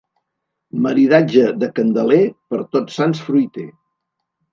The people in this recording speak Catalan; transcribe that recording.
Maridatge de Candeler, per Tots Sants fruiter.